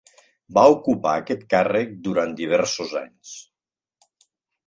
Va ocupar aquest càrrec durant diversos anys.